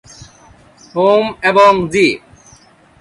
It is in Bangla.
হোম এবং জি।